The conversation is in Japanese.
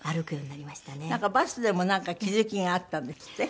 なんかバスでも気付きがあったんですって？